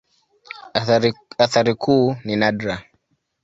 Athari kuu ni nadra.